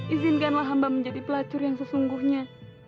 izinkanlah hamba menjadi pelacur yang sesungguhnya